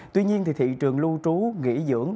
tuy nhiên thị trường lưu trú nghỉ dưỡng